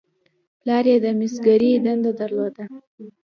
پلار یې د مسګرۍ دنده درلوده.